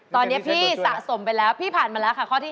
ตอนนี้พี่สะสมไปแล้วพี่ผ่านมาแล้วค่ะข้อที่๕